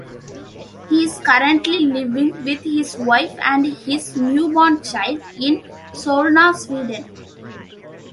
He is currently living with his wife and his newborn child in Solna, Sweden.